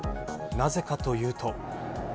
なぜかというと。